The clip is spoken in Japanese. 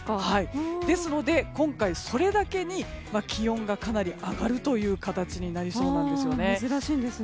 ですので、今回それだけに気温がかなり上がるという形になりそうなんですよね。